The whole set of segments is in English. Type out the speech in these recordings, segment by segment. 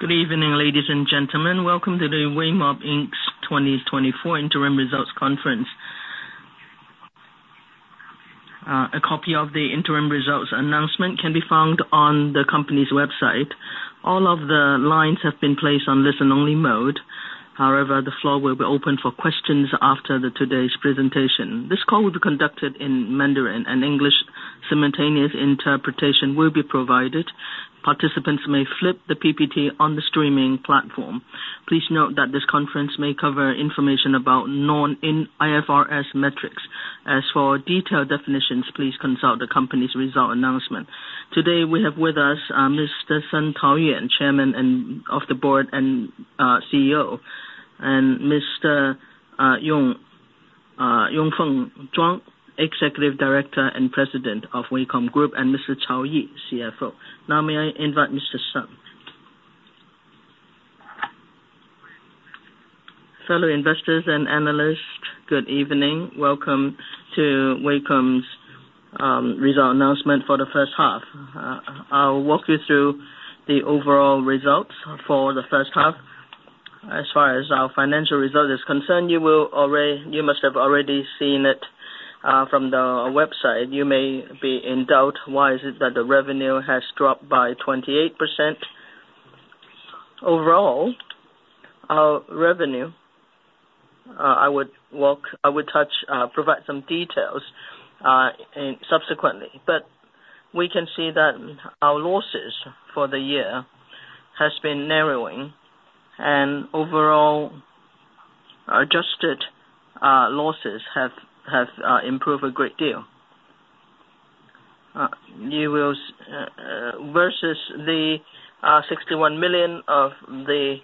Good evening, ladies and gentlemen. Welcome to the Weimob Inc.'s 2024 interim results conference. A copy of the interim results announcement can be found on the company's website. All of the lines have been placed on listen-only mode. However, the floor will be open for questions after today's presentation. This call will be conducted in Mandarin, and English simultaneous interpretation will be provided. Participants may flip the PPT on the streaming platform. Please note that this conference may cover information about non-IFRS metrics. As for detailed definitions, please consult the company's result announcement. Today, we have with us Mr. Sun Taoyong, Chairman of the Board and CEO, and Mr. You Fengchun, Executive Director and President of Weimob Inc., and Mr. Cao Yi, CFO. Now, may I invite Mr. Sun? Fellow investors and analysts, good evening. Welcome to Weimob's result announcement for the first half. I'll walk you through the overall results for the first half. As far as our financial result is concerned, you must have already seen it from the website. You may be in doubt, why is it that the revenue has dropped by 28%? Overall, our revenue, I would touch, provide some details and subsequently. But we can see that our losses for the year has been narrowing, and overall, adjusted losses have improved a great deal. Versus the 661 million of the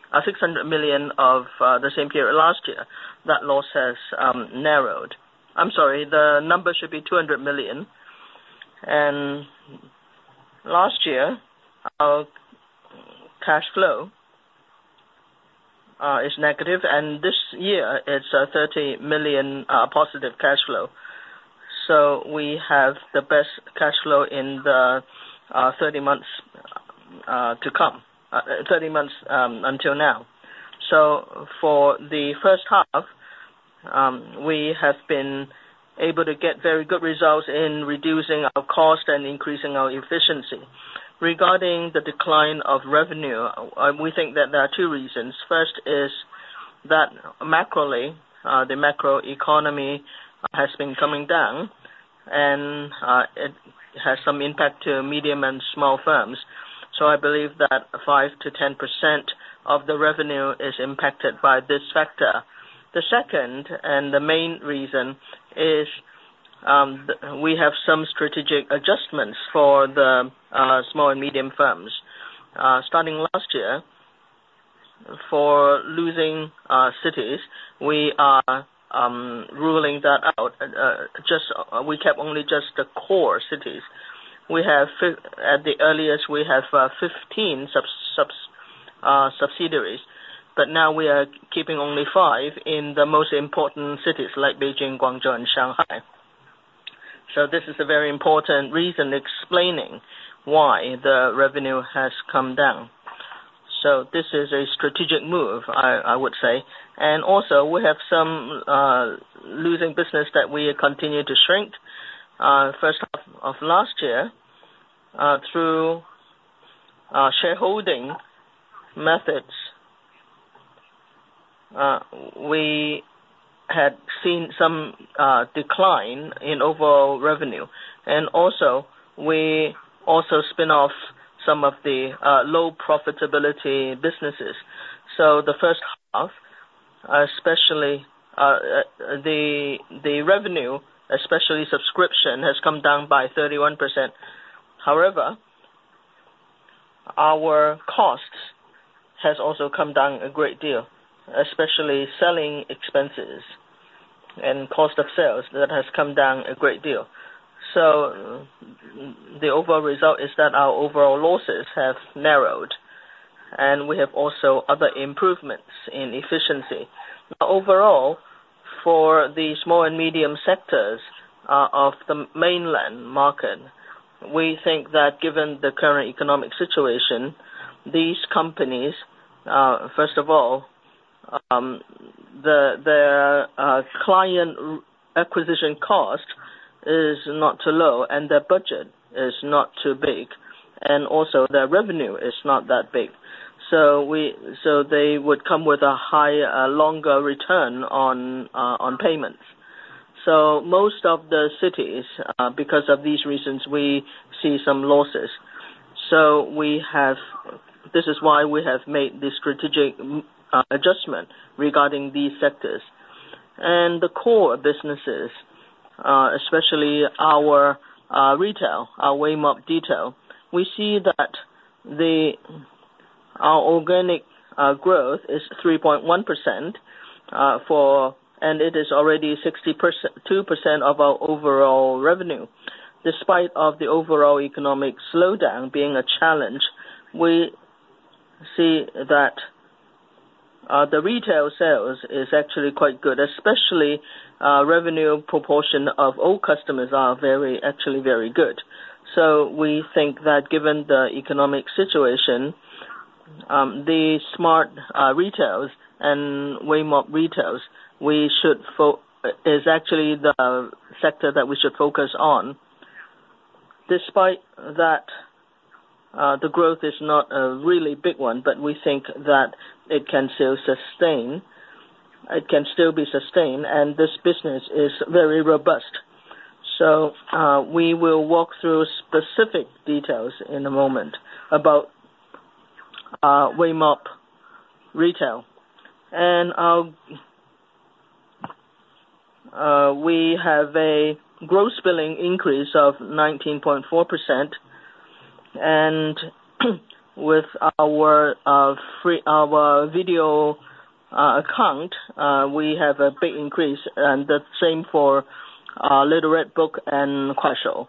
same period last year, that loss has narrowed. I'm sorry, the number should be 200 million. Last year, our cash flow is negative, and this year it's a 30 million positive cash flow. So we have the best cash flow in the 30 months until now. So for the first half, we have been able to get very good results in reducing our cost and increasing our efficiency. Regarding the decline of revenue, we think that there are two reasons. First is that macro, the macro economy has been coming down, and it has some impact to medium and small firms. So I believe that 5%-10% of the revenue is impacted by this factor. The second, and the main reason, is we have some strategic adjustments for the small and medium firms. Starting last year, for losing cities, we are ruling that out. We kept only the core cities. At the earliest, we have 15 subsidiaries, but now we are keeping only five in the most important cities like Beijing, Guangzhou, and Shanghai. This is a very important reason explaining why the revenue has come down. This is a strategic move, I would say. We also have some losing business that we continue to shrink. First half of last year, through shareholding methods, we had seen some decline in overall revenue. We also spin off some of the low profitability businesses. The first half, especially, the revenue, especially subscription, has come down by 31%. However, our costs has also come down a great deal, especially selling expenses and cost of sales, that has come down a great deal. So the overall result is that our overall losses have narrowed, and we have also other improvements in efficiency. Overall, for the small and medium sectors, of the mainland market, we think that given the current economic situation, these companies, first of all, the, their, client acquisition cost is not too low, and their budget is not too big, and also their revenue is not that big. So they would come with a high, longer return on, on payments. So most of the clients, because of these reasons, we see some losses. So we have... This is why we have made the strategic, adjustment regarding these sectors. The core businesses, especially our retail, our Weimob Retail, we see that our organic growth is 3.1%. It is already 62% of our overall revenue. Despite of the overall economic slowdown being a challenge, we see that the retail sales is actually quite good, especially revenue proportion of old customers are very, actually very good. We think that given the economic situation, the smart retail and Weimob Retail is actually the sector that we should focus on. Despite that, the growth is not a really big one, but we think that it can still sustain, it can still be sustained, and this business is very robust. We will walk through specific details in a moment about Weimob Retail. We have a gross billing increase of 19.4%. With our WeChat video account, we have a big increase, and the same for Little Red Book and Kuaishou.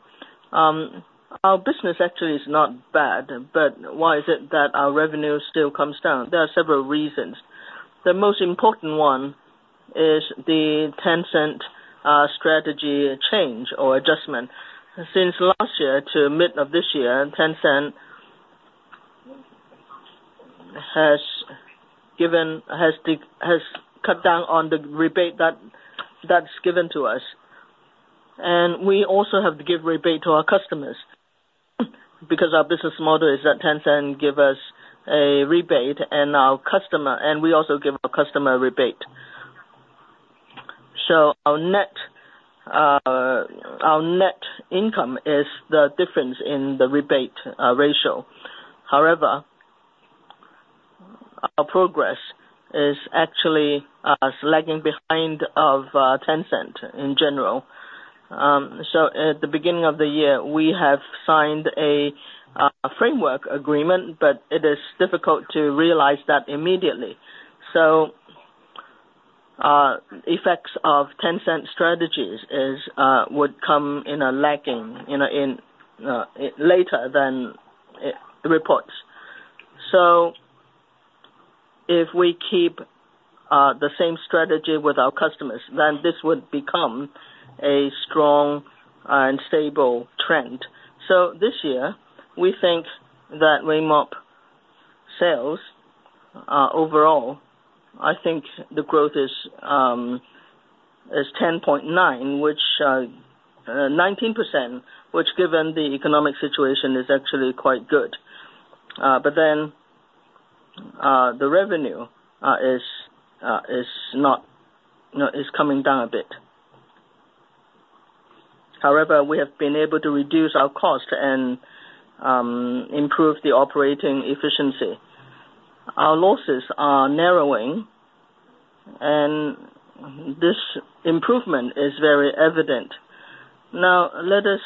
Our business actually is not bad, but why is it that our revenue still comes down? There are several reasons. The most important one is Tencent's strategy change or adjustment. Since last year to mid of this year, Tencent has cut down on the rebate that's given to us. We also have to give rebate to our customers, because our business model is that Tencent give us a rebate and our customer, and we also give our customer a rebate. So our net income is the difference in the rebate ratio. However, our progress is actually lagging behind of Tencent in general. So at the beginning of the year, we have signed a framework agreement, but it is difficult to realize that immediately. So effects of Tencent strategies is would come in a lagging, you know, in later than reports. So if we keep the same strategy with our customers, then this would become a strong and stable trend. So this year, we think that Weimob sales overall, I think the growth is 10.9%, which 19%, which given the economic situation, is actually quite good. But then the revenue is coming down a bit. However, we have been able to reduce our cost and improve the operating efficiency. Our losses are narrowing, and this improvement is very evident. Now, let us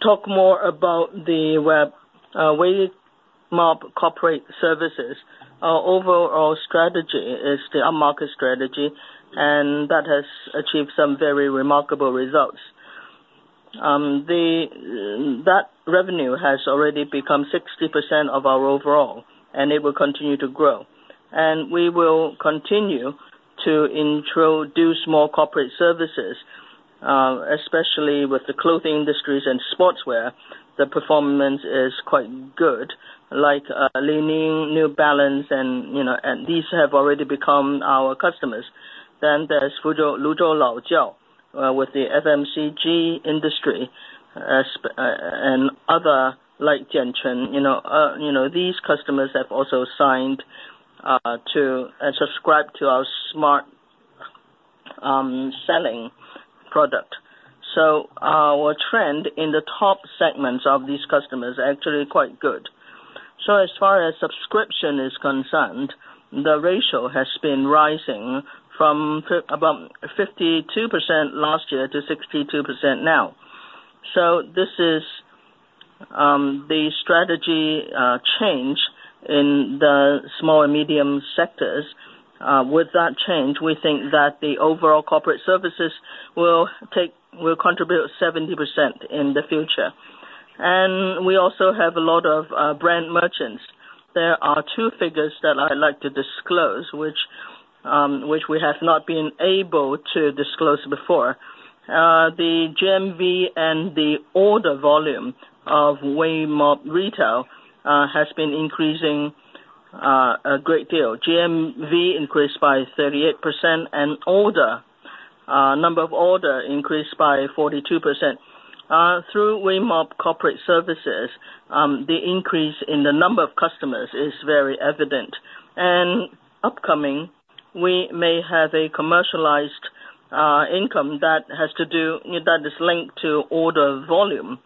talk more about Weimob Corporate Services. Our overall strategy is the up-market strategy, and that has achieved some very remarkable results. That revenue has already become 60% of our overall, and it will continue to grow. And we will continue to introduce more corporate services, especially with the clothing industries and sportswear, the performance is quite good, like Li-Ning, New Balance, and, you know, these have already become our customers. Then there's Luzhou Laojiao, with the FMCG industry, and other like Jianchun, you know, these customers have also signed to and subscribed to our Smart Retail product. So our trend in the top segments of these customers are actually quite good. So as far as subscription is concerned, the ratio has been rising from about 52% last year to 62% now. This is the strategy change in the small and medium sectors. With that change, we think that the overall corporate services will take, will contribute 70% in the future. We also have a lot of brand merchants. There are two figures that I'd like to disclose, which we have not been able to disclose before. The GMV and the order volume of Weimob Retail has been increasing a great deal. GMV increased by 38%, and order number of order increased by 42%. Through Weimob Corporate Services, the increase in the number of customers is very evident. And upcoming, we may have a commercialized income that has to do, that is linked to order volume,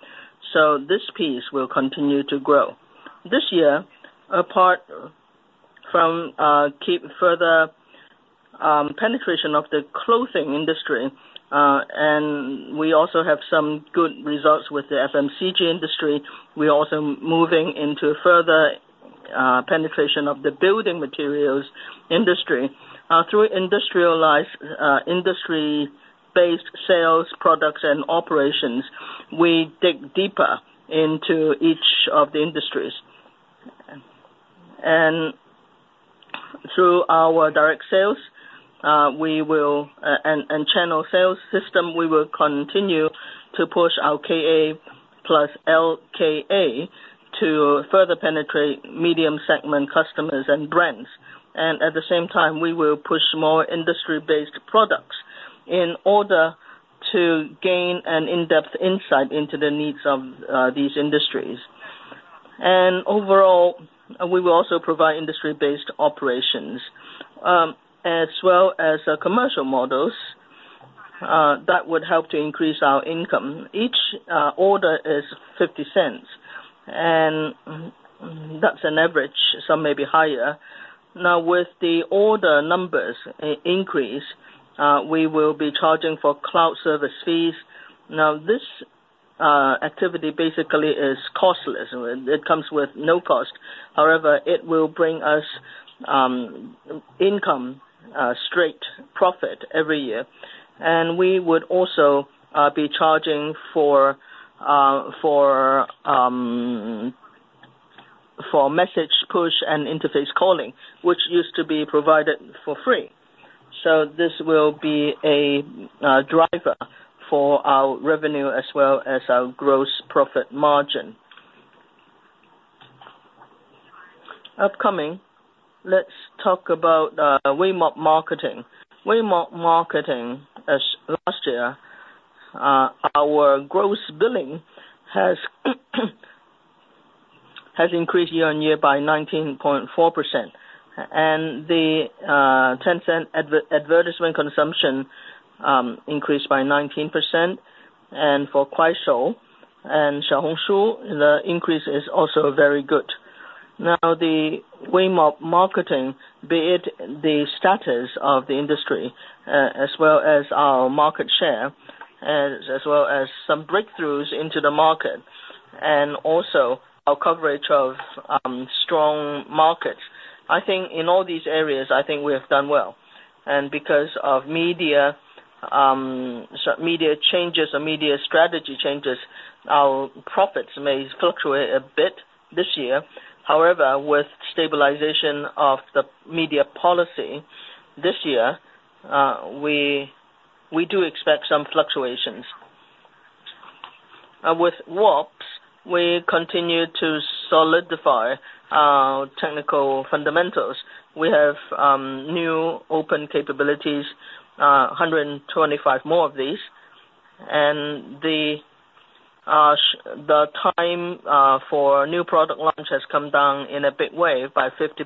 so this piece will continue to grow. This year, apart from keep further penetration of the clothing industry, and we also have some good results with the FMCG industry. We're also moving into further penetration of the building materials industry. Through industrialized industry-based sales, products and operations. We dig deeper into each of the industries. And through our direct sales and channel sales system, we will continue to push our KA plus LKA to further penetrate medium segment customers and brands. And at the same time, we will push more industry-based products in order to gain an in-depth insight into the needs of these industries. Overall, we will also provide industry-based operations, as well as commercial models that would help to increase our income. Each order is 0.50, and that's an average, some may be higher. Now, with the order numbers increase, we will be charging for cloud service fees. Now, this activity basically is costless. It comes with no cost. However, it will bring us income straight profit every year. We would also be charging for message push and interface calling, which used to be provided for free. So this will be a driver for our revenue as well as our gross profit margin. Upcoming, let's talk about Weimob Marketing. Weimob Marketing, as last year, our gross billing has increased year on year by 19.4%. And the Tencent advertisement consumption increased by 19%, and for Kuaishou and Xiaohongshu, the increase is also very good. Now, the Weimob Marketing, be it the status of the industry, as well as our market share, as well as some breakthroughs into the market, and also our coverage of strong markets. I think in all these areas, I think we have done well. And because of media changes or media strategy changes, our profits may fluctuate a bit this year. However, with stabilization of the media policy this year, we do expect some fluctuations. With WAI, we continue to solidify our technical fundamentals. We have new open capabilities, 125 more of these. And the time for new product launch has come down in a big way by 50%.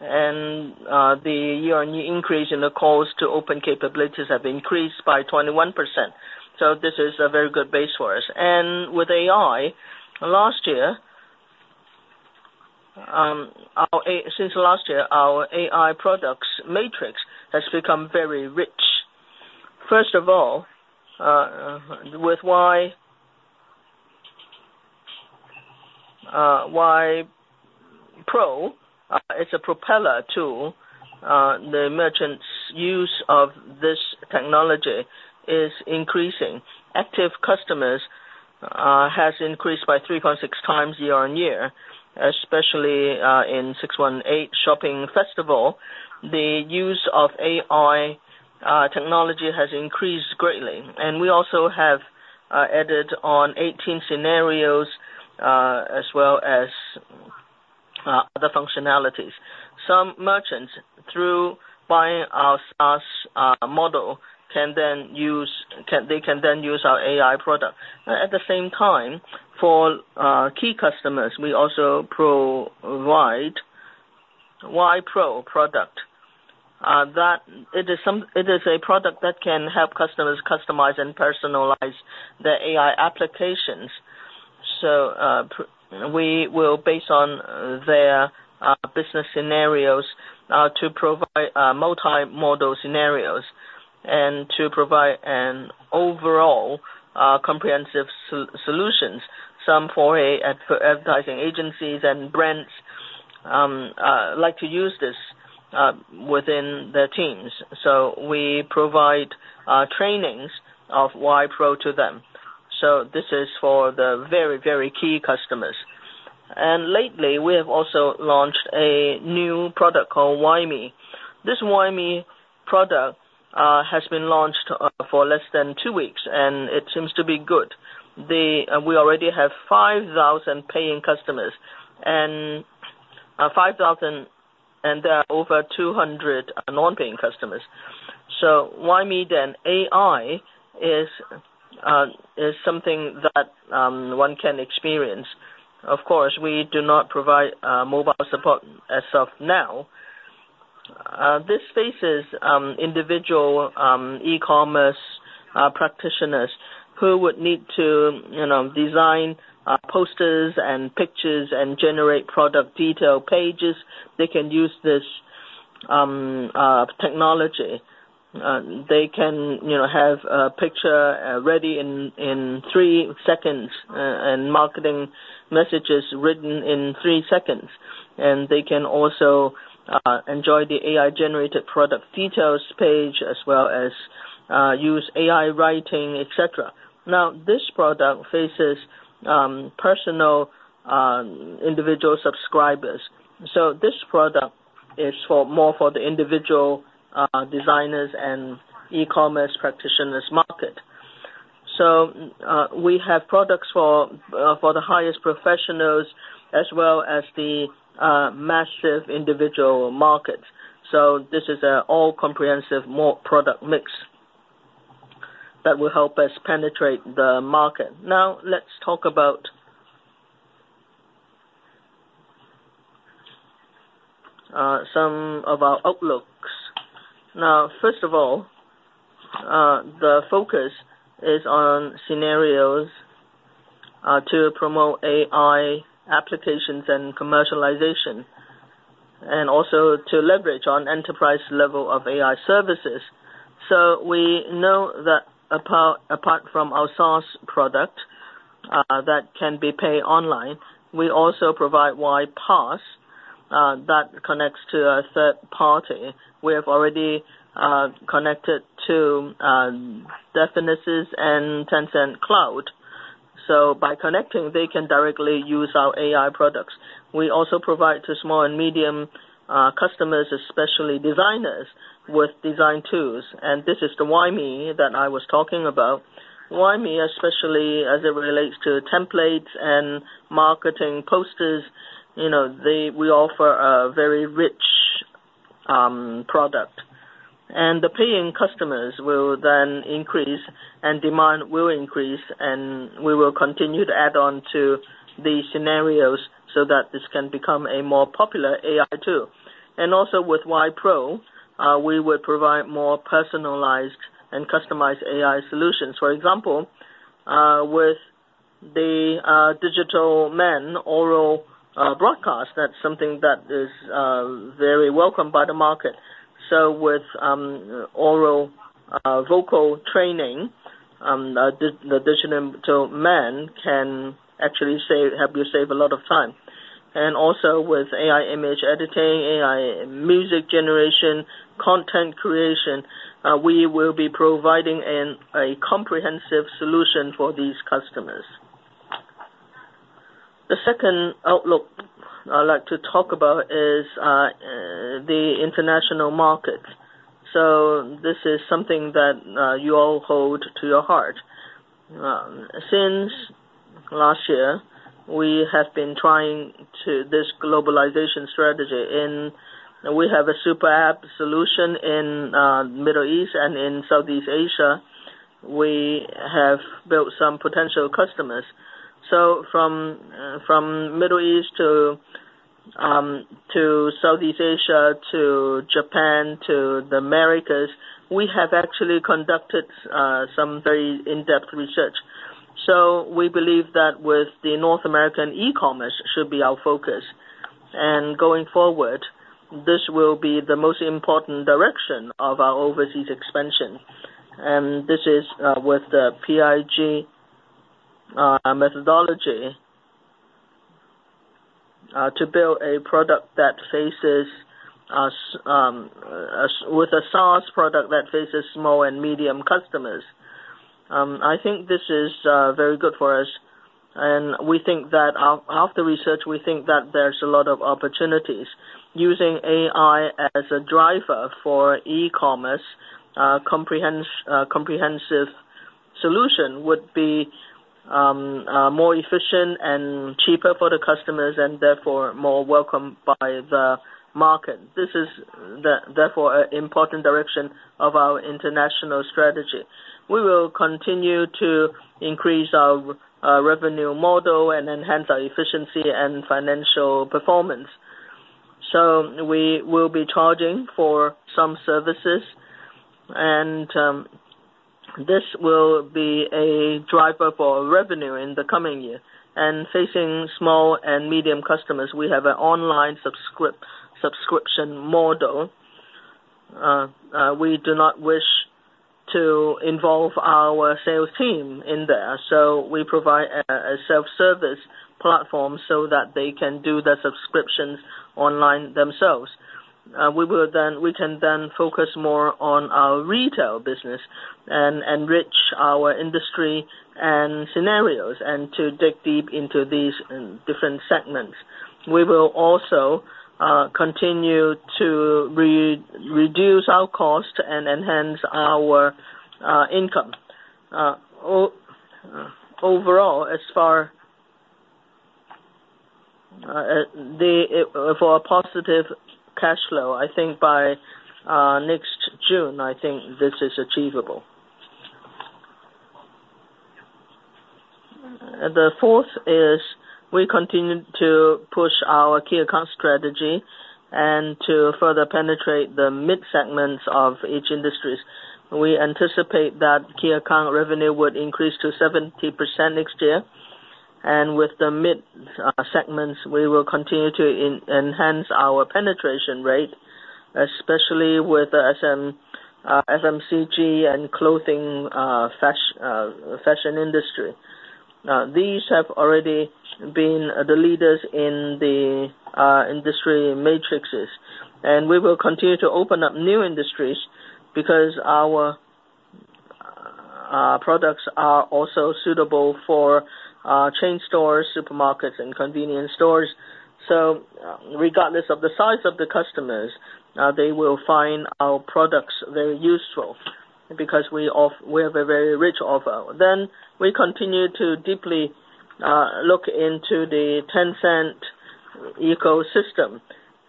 The year-on-year increase in the cost to open capabilities have increased by 21%. This is a very good base for us. With AI, since last year, our AI products matrix has become very rich. First of all, with WAI, WAI Pro, it is a propeller tool. The merchants' use of this technology is increasing. Active customers has increased by 3.6x year-on-year, especially in 618 shopping festival, the use of AI technology has increased greatly, and we also have added 18 scenarios as well as other functionalities. Some merchants, through buying our SaaS model, can then use our AI product. At the same time, for key customers, we also provide WAI Pro product. It is a product that can help customers customize and personalize their AI applications. So we will, based on their business scenarios, to provide multi-model scenarios and to provide an overall comprehensive solutions. Some advertising agencies and brands like to use this within their teams. So we provide trainings of WAI Pro to them. So this is for the very, very key customers, and lately we have also launched a new product called WAI Me. This WAI Me product has been launched for less than two weeks, and it seems to be good. We already have 5,000 paying customers, and there are over 200 non-paying customers. So WAI Me then AI is something that one can experience. Of course, we do not provide mobile support as of now. This faces individual e-commerce practitioners who would need to, you know, design posters and pictures and generate product detail pages. They can use this technology. They can, you know, have a picture ready in three seconds, and marketing messages written in three seconds, and they can also enjoy the AI-generated product details page, as well as use AI writing, et cetera. Now, this product faces personal individual subscribers. So this product is for more for the individual designers and e-commerce practitioners market. So we have products for the highest professionals as well as the massive individual market. So this is an all-comprehensive more product mix that will help us penetrate the market. Now, let's talk about some of our outlooks. Now, first of all, the focus is on scenarios to promote AI applications and commercialization, and also to leverage on enterprise level of AI services. So we know that apart from our SaaS product that can be paid online, we also provide WAI PaaS that connects to a third party. We have already connected to Definisys and Tencent Cloud. So by connecting, they can directly use our AI products. We also provide to small and medium customers, especially designers, with design tools, and this is the WAI Me that I was talking about. WAI Me, especially as it relates to templates and marketing posters, you know, we offer a very rich product. The paying customers will then increase, and demand will increase, and we will continue to add on to the scenarios so that this can become a more popular AI tool. Also with WAI Pro, we will provide more personalized and customized AI solutions. For example, with the Digital Man oral broadcast, that's something that is very welcomed by the market. So with oral vocal training, the Digital Man can actually help you save a lot of time. Also with AI image editing, AI music generation, content creation, we will be providing a comprehensive solution for these customers. The second outlook I'd like to talk about is the international market. So this is something that you all hold to your heart. Since last year, we have been trying to... This globalization strategy, and we have a super app solution in Middle East and in Southeast Asia. We have built some potential customers. So from Middle East to Southeast Asia, to Japan, to the Americas, we have actually conducted some very in-depth research. So we believe that with the North American e-commerce should be our focus. And going forward, this will be the most important direction of our overseas expansion. And this is with the PLG methodology to build a product that faces a s a with a SaaS product that faces small and medium customers. I think this is very good for us, and we think that after research, we think that there's a lot of opportunities. Using AI as a driver for e-commerce, comprehensive solution would be more efficient and cheaper for the customers, and therefore, more welcome by the market. This is therefore an important direction of our international strategy. We will continue to increase our revenue model and enhance our efficiency and financial performance, so we will be charging for some services, and this will be a driver for revenue in the coming year, and facing small and medium customers, we have an online subscription model. We do not wish to involve our sales team in there, so we provide a self-service platform so that they can do the subscriptions online themselves. We can then focus more on our retail business and enrich our industry and scenarios, and to dig deep into these different segments. We will also continue to reduce our cost and enhance our income. Overall, as far as the positive cash flow, I think by next June, I think this is achievable. The fourth is, we continue to push our key account strategy and to further penetrate the mid segments of each industries. We anticipate that key account revenue would increase to 70% next year, and with the mid segments, we will continue to enhance our penetration rate, especially with the SM, FMCG and clothing, fashion industry. These have already been the leaders in the industry matrices, and we will continue to open up new industries because our products are also suitable for chain stores, supermarkets, and convenience stores. So regardless of the size of the customers, they will find our products very useful because we have a very rich offer. Then we continue to deeply look into the Tencent ecosystem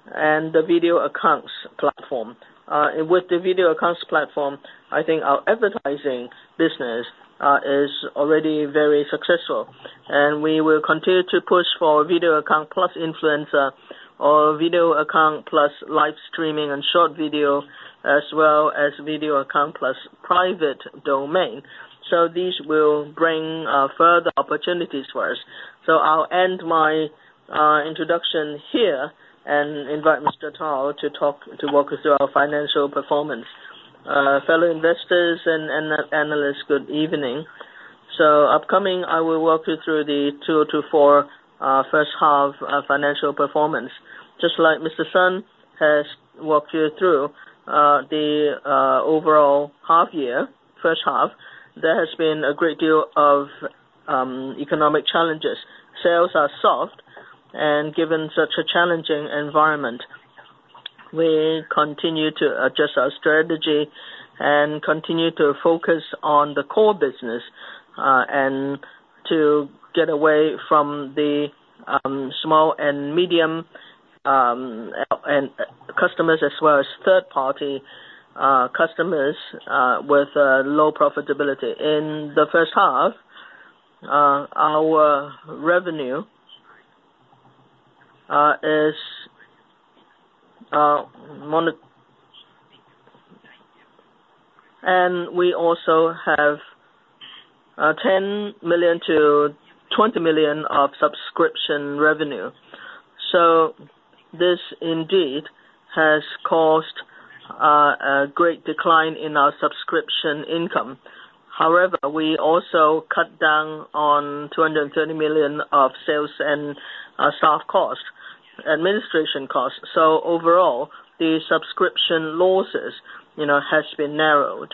and the video accounts platform. With the video accounts platform, I think our advertising business is already very successful, and we will continue to push for video account plus influencer or video account plus live streaming and short video, as well as video account plus private domain. So these will bring further opportunities for us. So I'll end my introduction here and invite Mr. Cao to talk, to walk us through our financial performance. Fellow investors and analysts, good evening. So upcoming, I will walk you through the 2024 first half financial performance. Just like Mr. Sun has walked you through the overall half year, first half. There has been a great deal of economic challenges. Sales are soft, and given such a challenging environment, we continue to adjust our strategy and continue to focus on the core business, and to get away from the small and medium and customers, as well as third-party customers with low profitability. In the first half, our revenue is moni-, and we also have 10 million-20 million of subscription revenue. So this indeed has caused a great decline in our subscription income. However, we also cut down on 230 million of sales and staff costs, administration costs. So overall, the subscription losses, you know, has been narrowed.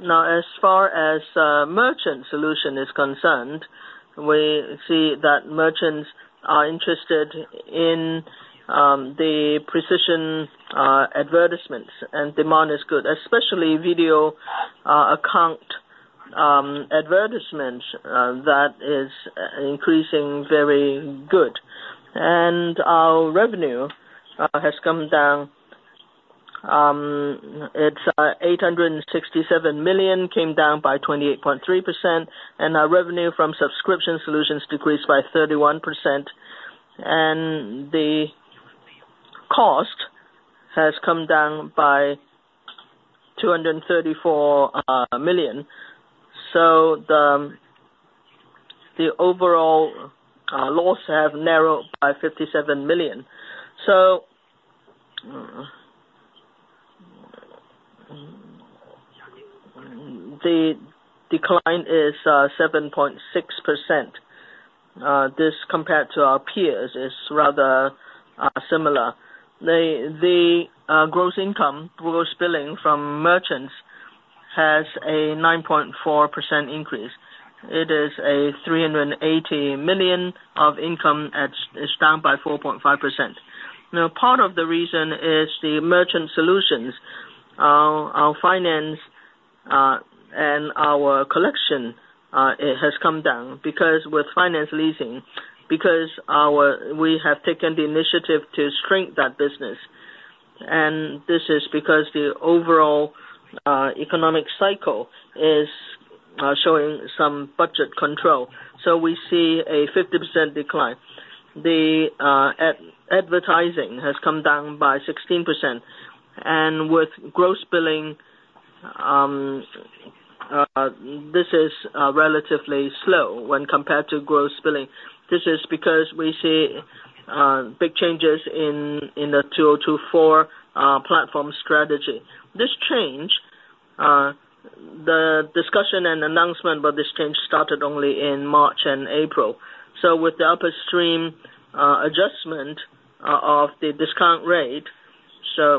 Now, as far as Merchant Solutions is concerned, we see that merchants are interested in the precision advertisements, and demand is good, especially video account advertisements that is increasing very good. Our revenue has come down. It's eight hundred and sixty-seven million CNY, came down by 28.3%, and our revenue from Subscription Solutions decreased by 31%, and the cost has come down by two hundred and thirty-four million CNY. So the overall loss have narrowed by 57 million. The decline is 7.6%. This, compared to our peers, is rather similar. The gross income, gross billing from merchants has a 9.4% increase. It is a 380 million of income, it's down by 4.5%. Now, part of the reason is the Merchant Solutions. Our finance and our collection it has come down because with finance leasing, we have taken the initiative to shrink that business. This is because the overall economic cycle is showing some budget control, so we see a 50% decline. The advertising has come down by 16%. With gross billing, this is relatively slow when compared to gross billing. This is because we see big changes in the 2024 platform strategy. This change, the discussion and announcement about this change started only in March and April. With the upstream adjustment of the discount rate,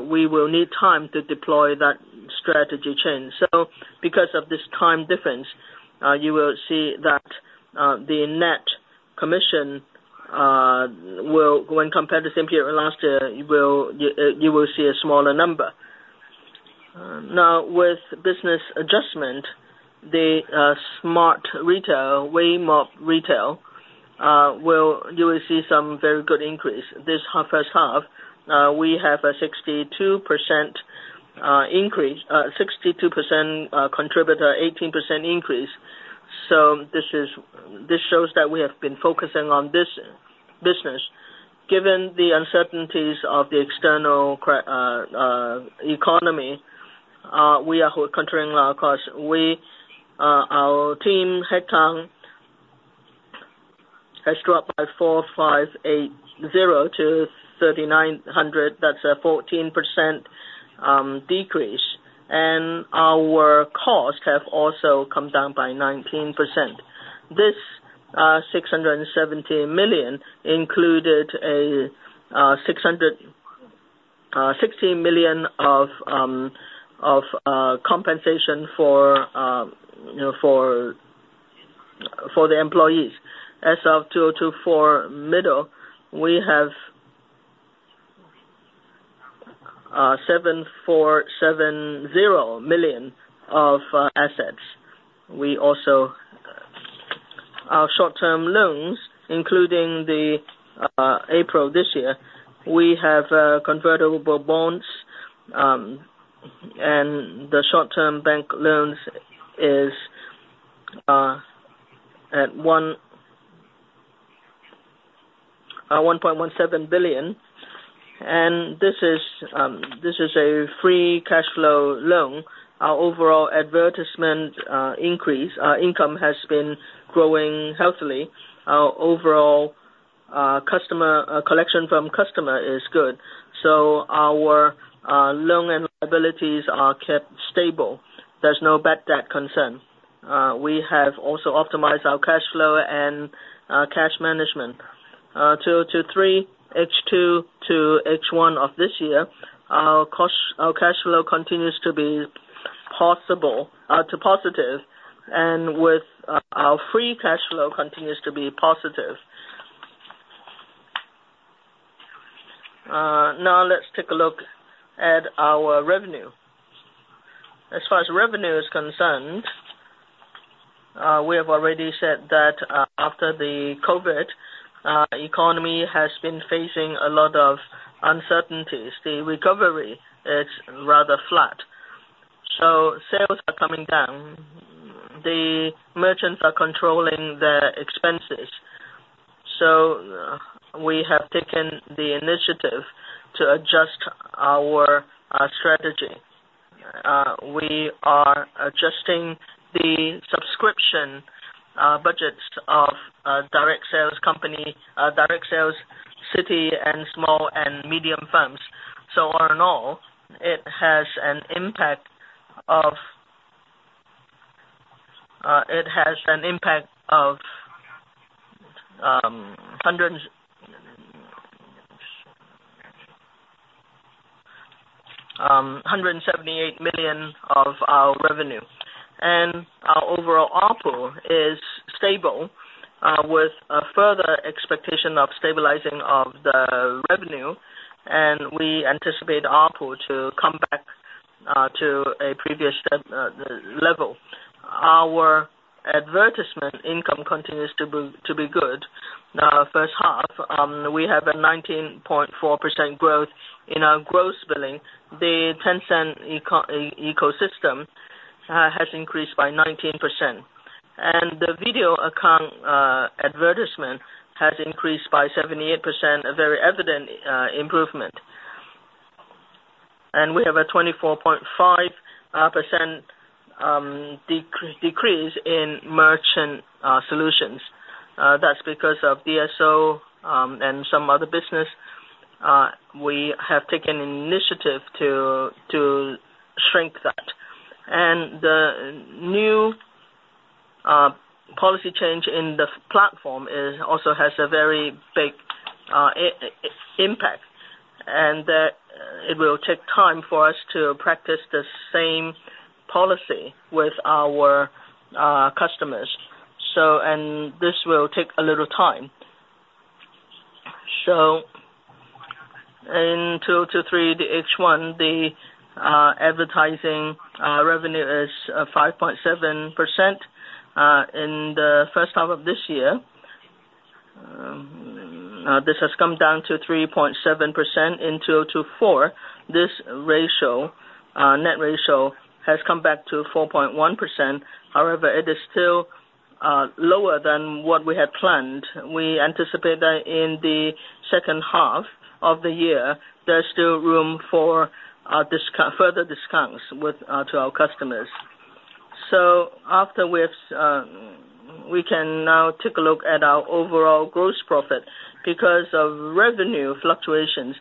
we will need time to deploy that strategy change. So because of this time difference, you will see that the net commission will, when compared to same period last year, you will see a smaller number. Now, with business adjustment, the Smart Retail, Weimob Retail, you will see some very good increase. This half, first half, we have a 62% increase, 62% contributor, 18% increase. So this shows that we have been focusing on this business. Given the uncertainties of the external economy, we are controlling our costs. We, our team headcount by 4,580-3,900. That's a 14% decrease, and our costs have also come down by 19%. This 670 million included a 660 million of compensation for, you know, for the employees. As of mid-2024, we have 7,470 million of assets. We also. Our short-term loans, including the April this year, we have convertible bonds, and the short-term bank loans is at 1.17 billion, and this is a free cash flow loan. Our overall advertisement increase income has been growing healthily. Our overall customer collection from customer is good, so our loan and liabilities are kept stable. There's no bad debt concern. We have also optimized our cash flow and cash management. 2023 H2 to H1 of this year, our cost, our cash flow continues to be positive, and our free cash flow continues to be positive. Now let's take a look at our revenue. As far as revenue is concerned, we have already said that, after the COVID, economy has been facing a lot of uncertainties, the recovery is rather flat, so sales are coming down. The merchants are controlling their expenses, so we have taken the initiative to adjust our strategy. We are adjusting the subscription budgets of direct sales company, direct sales city and small and medium firms. So on and all, it has an impact of 178 million of our revenue. Our overall ARPU is stable, with a further expectation of stabilizing of the revenue, and we anticipate ARPU to come back to a previous level. Our advertisement income continues to be good. In our first half, we have a 19.4% growth in our gross billing. The Tencent ecosystem has increased by 19%, and the video account advertisement has increased by 78%, a very evident improvement. We have a 24.5% decrease in merchant solutions. That's because of DSO and some other business. We have taken initiative to shrink that. The new policy change in the platform also has a very big impact, and it will take time for us to practice the same policy with our customers. This will take a little time. In 2023, the H1 advertising revenue is 5.7%. In the first half of this year, this has come down to 3.7%. In 2024, this ratio, net ratio, has come back to 4.1%. However, it is still lower than what we had planned. We anticipate that in the second half of the year, there's still room for further discounts to our customers. After we've, we can now take a look at our overall gross profit. Because of revenue fluctuations,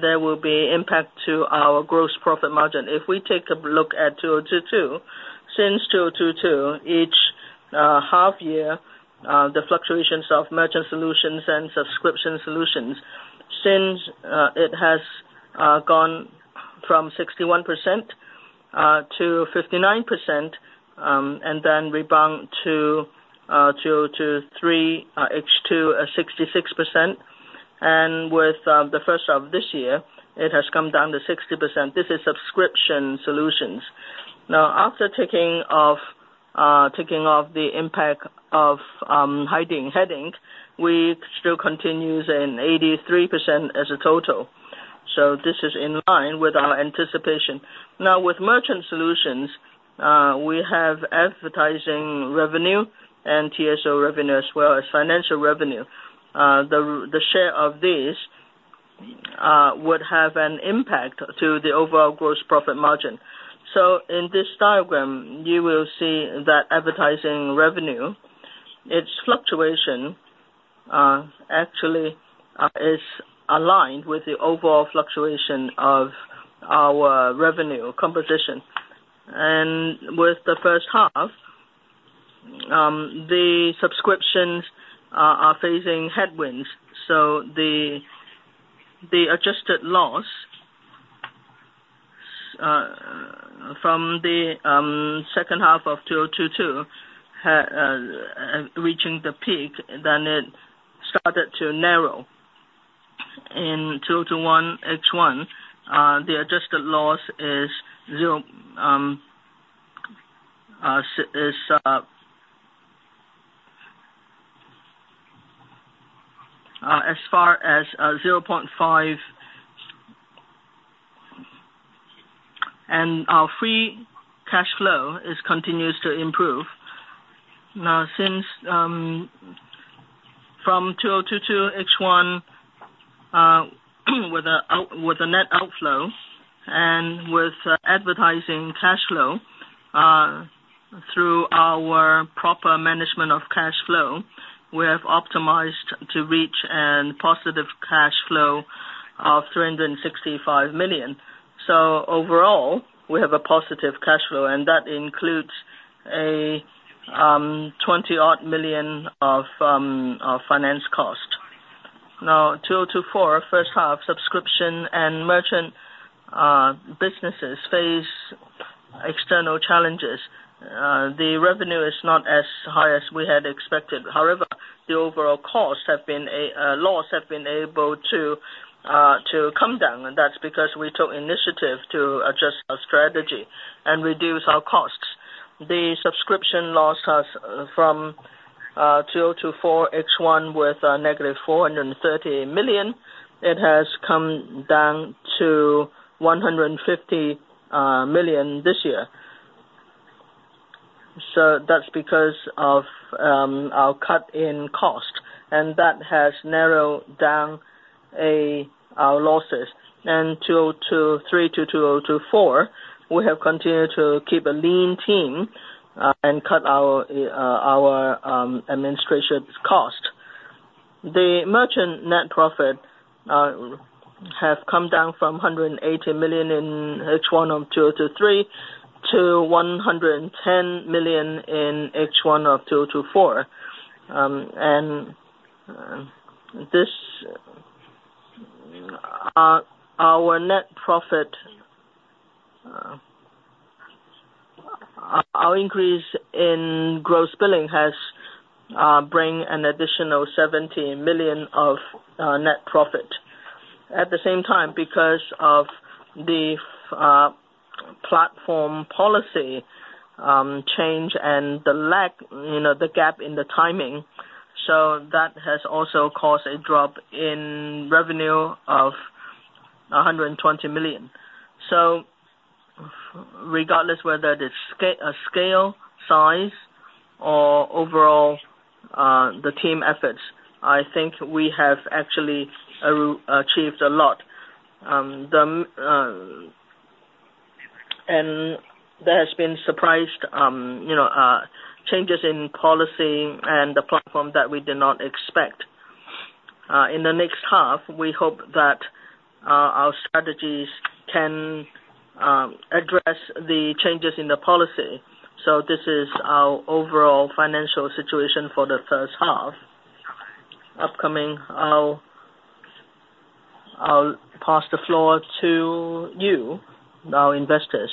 there will be impact to our gross profit margin. If we take a look at 2022, since 2022, each half year, the fluctuations of Merchant Solutions and Subscription Solutions, since it has gone from 61%-59%, and then rebound to 2023 H2, 66%. And with the first half of this year, it has come down to 60%. This is Subscription Solutions. Now, after taking off the impact of heading, we still continues in 83% as a total. So this is in line with our anticipation. Now, with Merchant Solutions, we have advertising revenue and TSO revenue as well as financial revenue. The share of this have an impact to the overall gross profit margin. So in this diagram, you will see that advertising revenue, its fluctuation, actually, is aligned with the overall fluctuation of our revenue composition. With the first half, the subscriptions are facing headwinds, so the adjusted loss from the second half of 2022, reaching the peak, then it started to narrow. In 2021 H1, the adjusted loss is zero, as far as 0.5%. Our free cash flow continues to improve. Now, since from 2022 H1, with a net outflow and with advertising cash flow, through our proper management of cash flow, we have optimized to reach a positive cash flow of 365 million. So overall, we have a positive cash flow, and that includes 20-odd million of our finance cost. Now, 2024 first half subscription and merchant businesses face external challenges. The revenue is not as high as we had expected. However, the overall costs have been a loss have been able to to come down, and that's because we took initiative to adjust our strategy and reduce our costs. The subscription loss has from 2024 H1 with a negative 430 million. It has come down to 150 million this year. So that's because of our cut in cost, and that has narrowed down our losses. 2023 to 2024, we have continued to keep a lean team and cut our administration cost. The merchant net profit have come down from 180 million in H1 of 2023 to 110 million in H1 of 2024. And this, our net profit, our increase in gross billing has bring an additional 70 million of net profit. At the same time, because of the platform policy change and the lag, you know, the gap in the timing, so that has also caused a drop in revenue of 120 million. Regardless whether the scale, size, or overall, the team efforts, I think we have actually achieved a lot. There has been surprise, you know, changes in policy and the platform that we did not expect. In the next half, we hope that our strategies can address the changes in the policy. This is our overall financial situation for the first half. Upcoming, I'll pass the floor to you, our investors,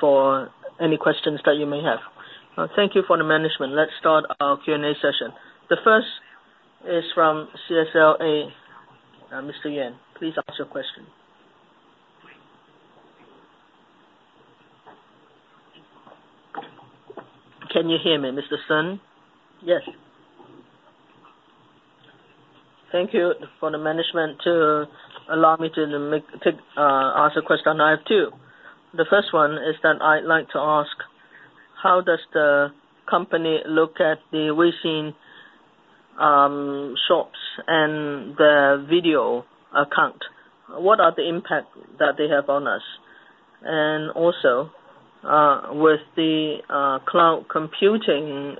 for any questions that you may have. Thank you to the management. Let's start our Q&A session. The first is from CLSA, Mr. Yan. Please ask your question. Can you hear me, Mr. Sun? Yes. Thank you to the management to allow me to ask a question. I have two. The first one is that I'd like to ask: How does the company look at the Weixin shops and their video account? What are the impact that they have on us? And also, with the cloud computing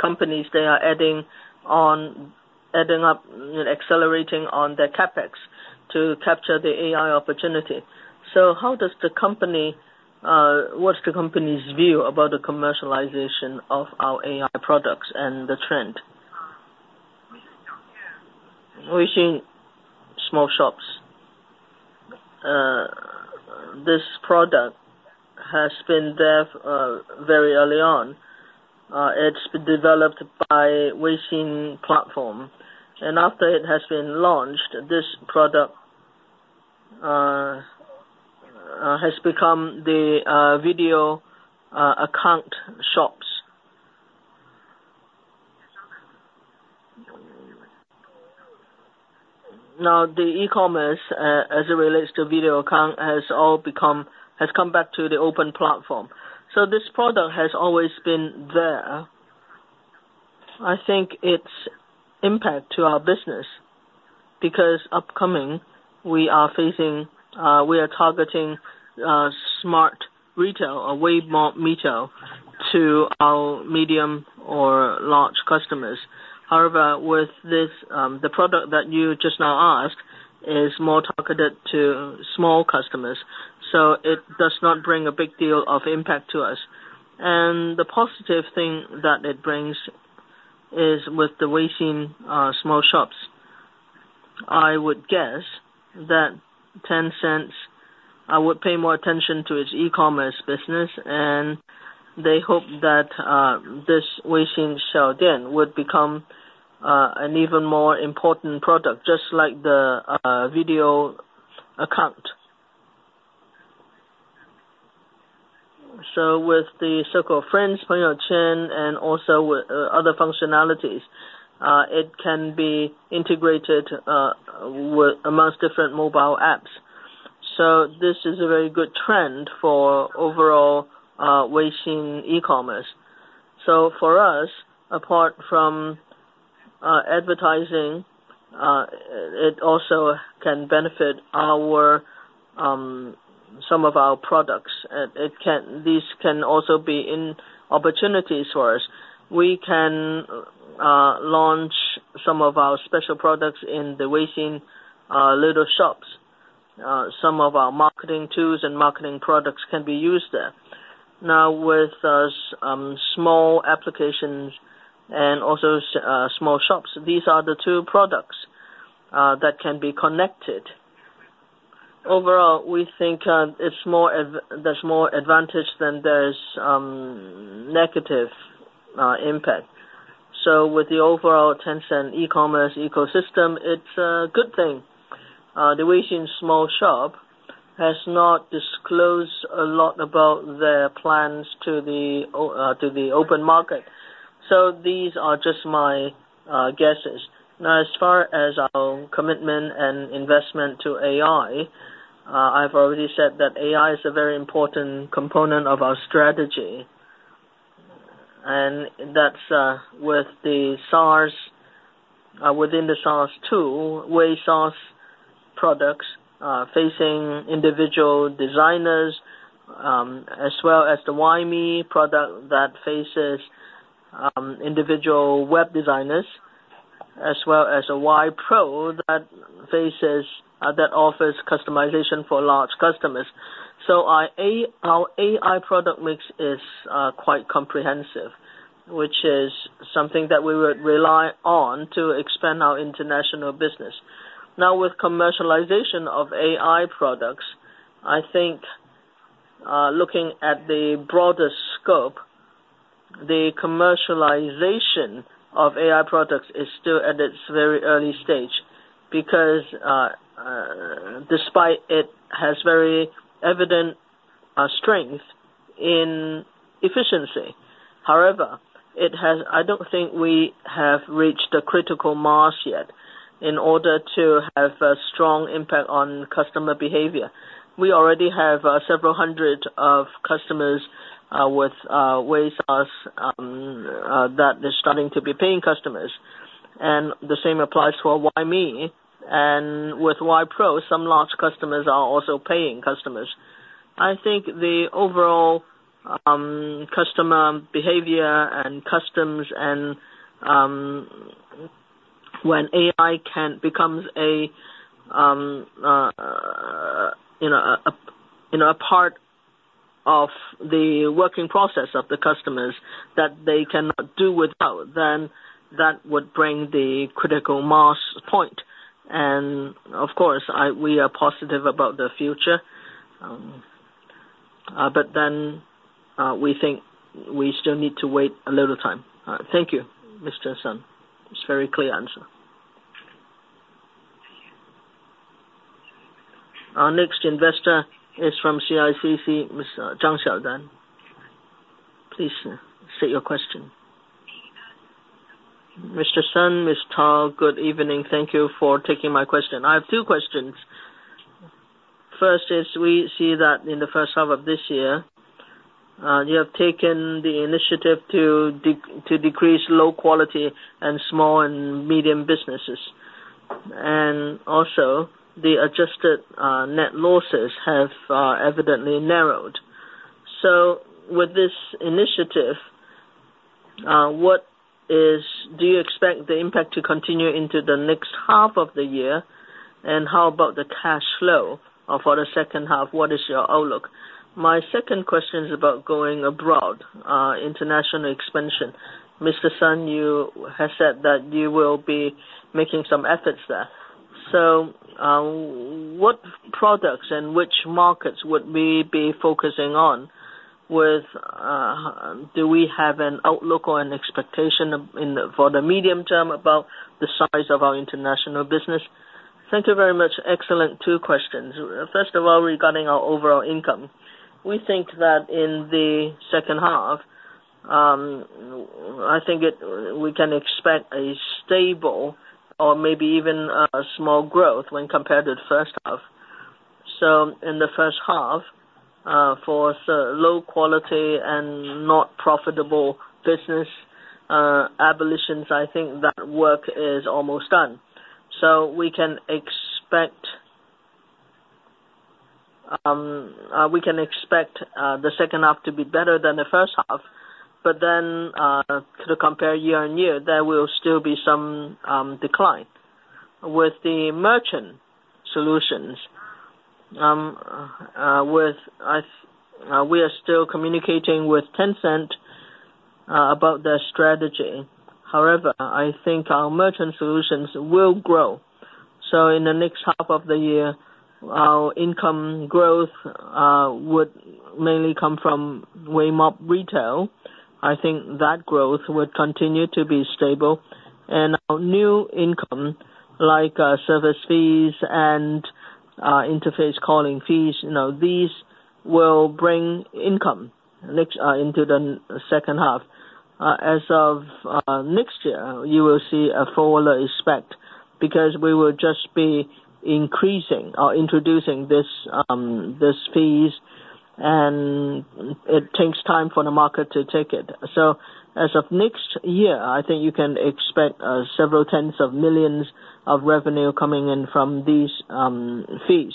companies, they are adding up and accelerating on their CapEx to capture the AI opportunity. So how does the company, what's the company's view about the commercialization of our AI products and the trend? Weixin Small Shops. This product has been there very early on. It's been developed by Weixin platform, and after it has been launched, this product has become the video account shops. Now, the e-commerce as it relates to video account has all become, has come back to the open platform. So this product has always been there... I think it's impact to our business, because upcoming, we are facing, we are targeting smart retail or Weimob Retail to our medium or large customers. However, with this, the product that you just now asked is more targeted to small customers, so it does not bring a big deal of impact to us. And the positive thing that it brings is with the Weixin small shops. I would guess that Tencent, I would pay more attention to its e-commerce business, and they hope that this Weixin Xiaodian would become an even more important product, just like the video account. So with the circle of friends, Peng You Quan, and also with other functionalities, it can be integrated with amongst different mobile apps. So this is a very good trend for overall Weixin e-commerce. So for us, apart from advertising, it also can benefit some of our products. These can also be opportunities for us. We can launch some of our special products in the Weixin Little Shops. Some of our marketing tools and marketing products can be used there. Now, with small applications and also small shops, these are the two products that can be connected. Overall, we think there's more advantage than there's negative impact. So with the overall Tencent e-commerce ecosystem, it's a good thing. The Weixin Small Shop has not disclosed a lot about their plans to the open market, so these are just my guesses. Now, as far as our commitment and investment to AI, I've already said that AI is a very important component of our strategy. That's with the SaaS tool, WAI SaaS products facing individual designers, as well as the WAI Me product that faces individual web designers, as well as WAI Pro that offers customization for large customers. Our AI product mix is quite comprehensive, which is something that we would rely on to expand our international business. Now, with commercialization of AI products, I think, looking at the broader scope, the commercialization of AI products is still at its very early stage, because despite it has very evident strength in efficiency, however, it has. I don't think we have reached a critical mass yet in order to have a strong impact on customer behavior. We already have several hundred customers with WAI SaaS that they're starting to be paying customers. And the same applies for WAI Me and WAI Pro, some large customers are also paying customers. I think the overall, customer behavior and customs and, when AI can, becomes a, you know, a, you know, a part of the working process of the customers that they cannot do without, then that would bring the critical mass point. And of course, I, we are positive about the future. But then, we think we still need to wait a little time. Thank you, Mr. Sun. It's very clear answer. Our next investor is from CICC, Mr. Zhang Xiaodan. Please state your question. Mr. Sun, Ms. Cao, good evening. Thank you for taking my question. I have two questions. First is, we see that in the first half of this year, you have taken the initiative to decrease low quality and small and medium businesses. And also, the adjusted net losses have evidently narrowed. So with this initiative, what is... Do you expect the impact to continue into the next half of the year? And how about the cash flow for the second half, what is your outlook? My second question is about going abroad, international expansion. Mr. Sun, you have said that you will be making some efforts there. So, what products and which markets would we be focusing on? With, do we have an outlook or an expectation of, in the, for the medium term about the size of our international business? Thank you very much. Excellent two questions. First of all, regarding our overall income, we think that in the second half, I think it, we can expect a stable or maybe even a small growth when compared to the first half. In the first half, for low quality and not profitable business abolitions, I think that work is almost done. So we can expect the second half to be better than the first half, but then to compare year-on-year, there will still be some decline. With the Merchant Solutions, with us, we are still communicating with Tencent about their strategy. However, I think our Merchant Solutions will grow. So in the next half of the year, our income growth would mainly come from Weimob Retail. I think that growth would continue to be stable, and our new income, like, service fees and interface calling fees, you know, these will bring income next into the second half. As of next year, you will see a fuller effect, because we will just be increasing or introducing these fees, and it takes time for the market to take it. So as of next year, I think you can expect several tens of millions of revenue coming in from these fees.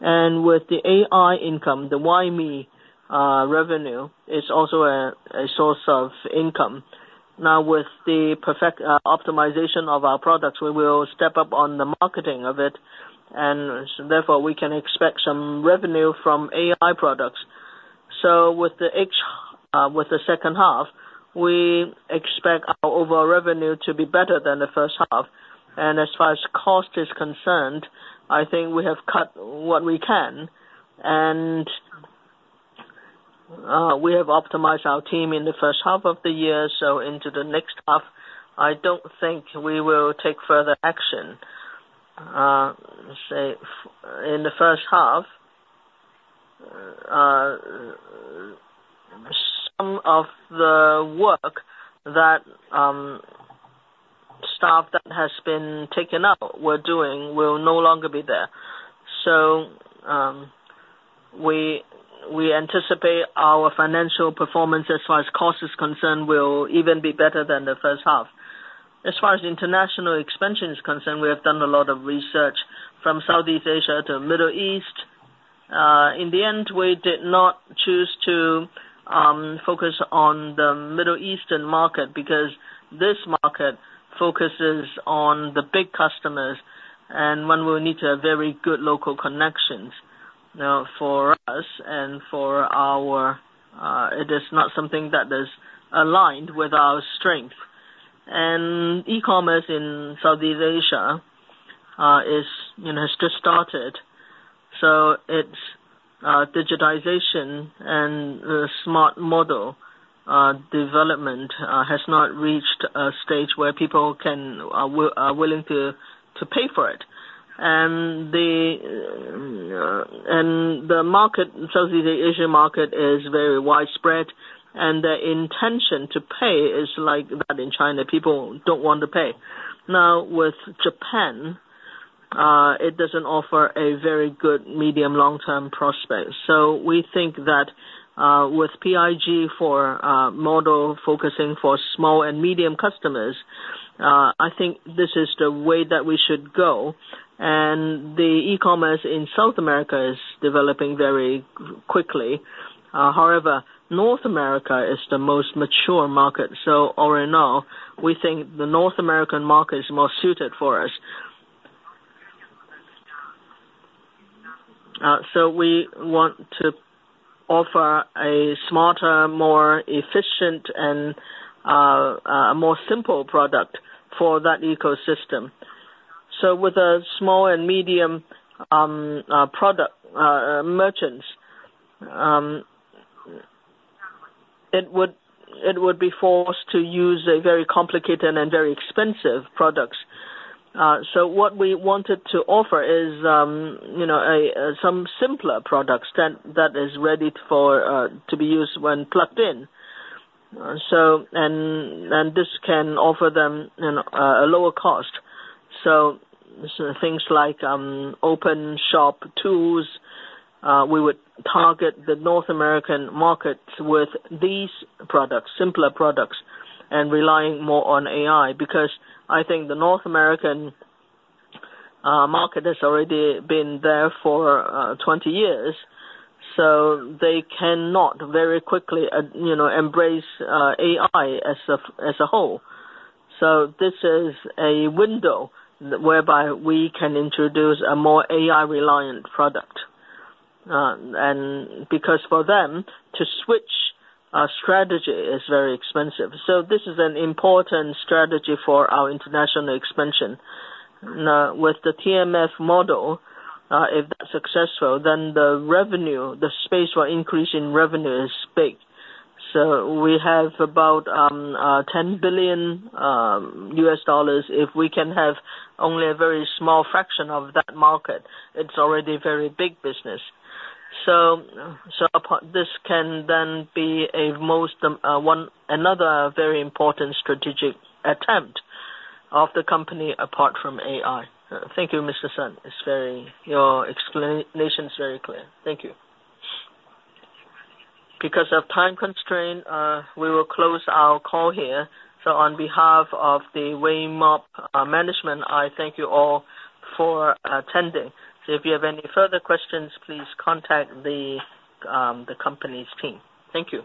And with the AI income, the WAI Me revenue is also a source of income. Now, with the perfect optimization of our products, we will step up on the marketing of it, and therefore we can expect some revenue from AI products. So with the second half, we expect our overall revenue to be better than the first half. And as far as cost is concerned, I think we have cut what we can, and we have optimized our team in the first half of the year, so into the next half, I don't think we will take further action. In the first half, some of the work that staff that has been taken out were doing will no longer be there. So we anticipate our financial performance, as far as cost is concerned, will even be better than the first half. As far as international expansion is concerned, we have done a lot of research from Southeast Asia to Middle East. In the end, we did not choose to focus on the Middle Eastern market, because this market focuses on the big customers and one will need to have very good local connections. Now, for us and for our, it is not something that is aligned with our strength. And e-commerce in Southeast Asia is, you know, has just started. So it's digitization and the smart model development has not reached a stage where people are willing to pay for it. And the Southeast Asia market is very widespread, and the intention to pay is like that in China, people don't want to pay. Now, with Japan, it doesn't offer a very good medium, long-term prospect. So we think that with PLG model focusing for small and medium customers, I think this is the way that we should go. And the e-commerce in South America is developing very quickly. However, North America is the most mature market, so all in all, we think the North American market is more suited for us. So we want to offer a smarter, more efficient and more simple product for that ecosystem. So with a small and medium product merchants, it would be forced to use a very complicated and very expensive products. So what we wanted to offer is you know some simpler products that is ready for to be used when plugged in. And this can offer them you know a lower cost. So things like open shop tools, we would target the North American market with these products, simpler products, and relying more on AI. Because I think the North American market has already been there for twenty years, so they cannot very quickly, you know, embrace AI as a whole. So this is a window whereby we can introduce a more AI-reliant product. And because for them to switch a strategy is very expensive. So this is an important strategy for our international expansion. Now, with the PMF model, if that's successful, then the revenue, the space for increase in revenue is big. So we have about $10 billion. If we can have only a very small fraction of that market, it's already very big business. So, this can then be amongst another very important strategic attempt of the company, apart from AI. Thank you, Mr. Sun. It's very. Your explanation is very clear. Thank you. Because of time constraint, we will close our call here. So on behalf of the Weimob management, I thank you all for attending. So if you have any further questions, please contact the company's team. Thank you.